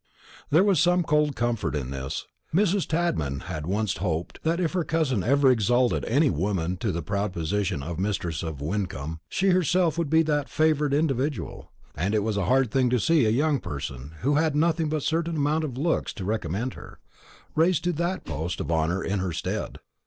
There was some cold comfort in this. Mrs. Tadman had once hoped that if her cousin ever exalted any woman to the proud position of mistress of Wyncomb, she herself would be that favoured individual; and it was a hard thing to see a young person, who had nothing but a certain amount of good looks to recommend her, raised to that post of honour in her stead.